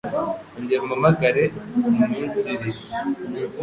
Ongera umpamagare muminsi ibiri.